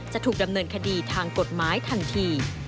จะถูกดำเนินคดีทางกฎหมายทันที